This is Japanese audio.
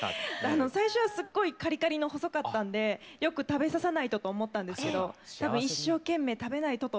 最初はすっごいカリカリの細かったんでよく食べさせないとと思ったんですけど一生懸命食べないとと思ったんでしょうね。